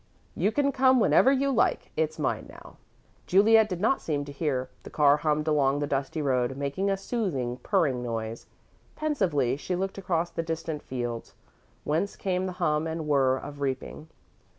"You can come whenever you like. It's mine, now." Juliet did not seem to hear. The car hummed along the dusty road, making a soothing, purring noise. Pensively she looked across the distant fields, whence came the hum and whir of reaping.